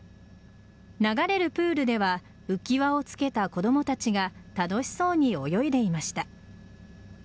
流れるプールでは浮輪をつけた子供たちが楽しそうに泳いでいました。